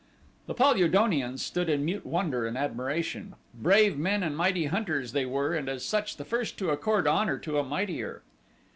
The Pal ul donians stood in mute wonder and admiration. Brave men and mighty hunters they were and as such the first to accord honor to a mightier.